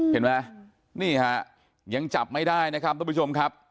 เห็นไหมนี่ฮะยังจับไม่ได้นะครับทุกผู้ชมครับ